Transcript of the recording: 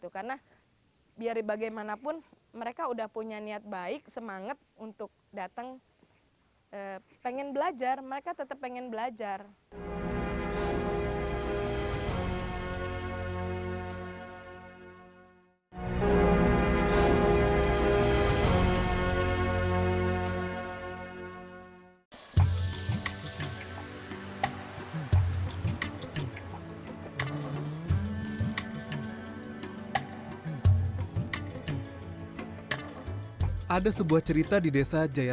karena biar bagaimanapun mereka sudah punya niat baik semangat untuk datang pengen belajar mereka tetap pengen belajar